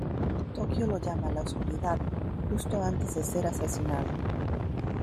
Tokio lo llama "la oscuridad" justo antes de ser asesinado.